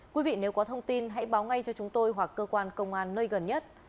quý vị nếu có thông tin hãy báo ngay cho chúng tôi hoặc cơ quan công an nơi gần nhất